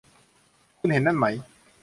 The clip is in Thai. คุณเห็นนั่นไหม